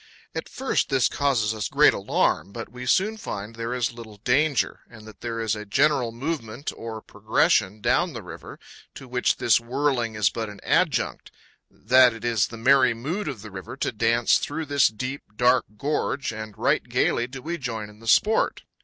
At first this causes us great alarm, but we soon find there is little danger, and that there is a general movement or progression down the river, to which this whirling is but an adjunct that it is the merry mood powell canyons 118.jpg GENERAL VTEW OF AWATUBI. of the river to dance through this deep, dark gorge, and right gaily do we join in the sport.